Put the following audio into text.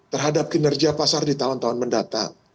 terhadap kinerja pasar di tahun tahun mendatang